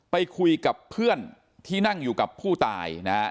ไปคุยกับเพื่อนที่นั่งอยู่กับผู้ตายนะฮะ